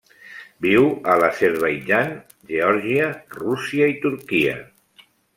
Viu a l'Azerbaidjan, Geòrgia, Rússia i Turquia.